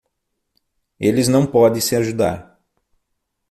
Eles não podem se ajudar.